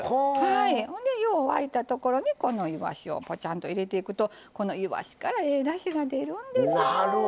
ほんで、よう沸いたところにこのいわしをぽちゃんと入れていくとこのいわしからええだしが出るんですわ。